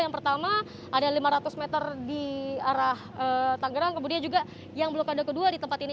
yang pertama ada lima ratus meter di arah tanggerang kemudian juga yang blokade kedua di tempat ini